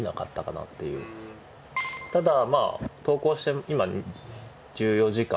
ただまあ投稿して今１４時間。